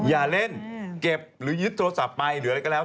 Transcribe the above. อย่าเล่นเก็บหรือยึดโทรศัพท์ไปหรืออะไรก็แล้ว